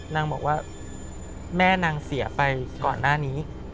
นางบอกว่าแม่นางเสียไปก่อนหน้านี้